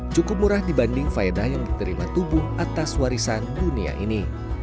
cukup murah dibanding faedah yang diterima tubuh atas warisan dunia ini